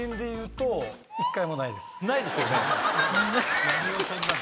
ないですよね。